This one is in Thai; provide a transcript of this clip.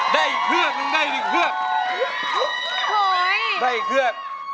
ได้อีกเครื่องหนึ่งได้อีกเครื่องได้เครื่อง